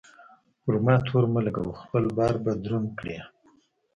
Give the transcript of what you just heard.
پر ما تور مه لګوه؛ خپل بار به دروند کړې.